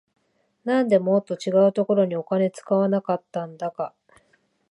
なんでもっと違うところにお金使わなかったんだか